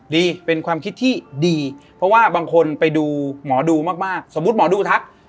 ดีเป็นความคิดที่ดีเพราะว่าบางคนไปดูหมอดูมากสมมุติหมอดูทัก